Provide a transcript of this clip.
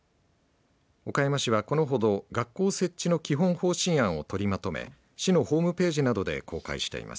岡山市は、このほど学校設置の基本方針案を取りまとめ市のホームページなどで公開しています。